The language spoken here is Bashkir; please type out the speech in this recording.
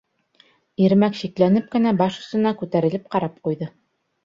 Ирмәк шикләнеп кенә баш осона күтәрелеп ҡарап ҡуйҙы.